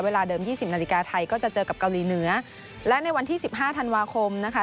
เวลาเดิม๒๐นาฬิกาไทยก็จะเจอกับเกาหลีเหนือและในวันที่สิบห้าธันวาคมนะคะ